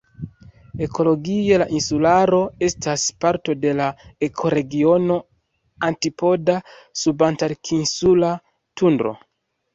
Ekologie, la insularo estas parto de la ekoregiono "antipoda-subantarktinsula tundro".